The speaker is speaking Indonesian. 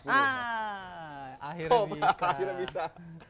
ah akhirnya bisa